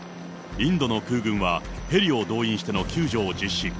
インドの空軍は、ヘリを動員しての救助を実施。